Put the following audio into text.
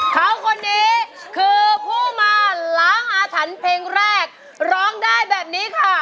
เขาคนนี้คือผู้มาล้างอาถรรพ์เพลงแรกร้องได้แบบนี้ค่ะ